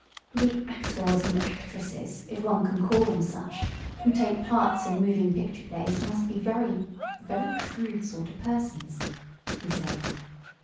"The actors and actresses if one can call them such who take parts in moving picture plays must be very very crude sort of persons," he said.